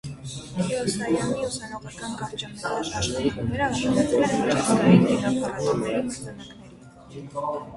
Քեոսայանի ուսանողական կարճամետրաժ աշխատանքներն արժանացել են միջազգային կինոփառատոների մրցանակների։